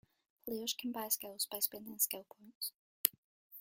Players can buy skills by spending skill points.